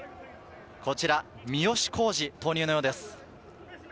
こちら三好康児、投入のようです。